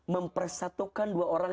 mempersatukan dua orang